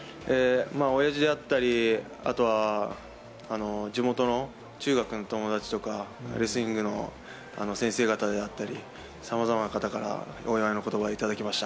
親父だったり、あとは地元の中学の友達とか、レスリングの先生方だったり、さまざまな方からお祝いの言葉をいただきました。